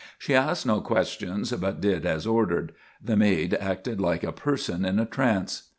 She asked no questions, but did as ordered. The maid acted like a person in a trance.